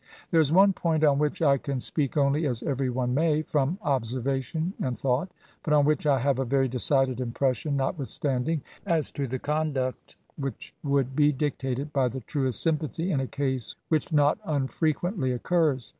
There is one point on which I can speak only as every one may, — from observation and thought, — ^but on which I have a very decided impression, notwithstanding ;— as to the conduct which would be dictated by the truest sympathy in a case which not unfrequently occurs.